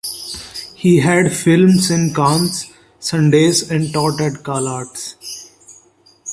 He had films in Cannes, Sundance, and taught at CalArts.